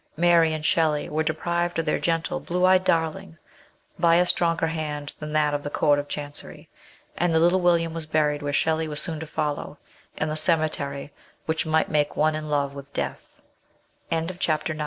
Mary and Shelley were deprived ot their gentle, blue eyed darling, by a stronger hand than that of the Court of Chancery, and little William was buried where Shelley was soon to follow, in the cemetery which " might make one in love with death/' 139 CHAPTER X.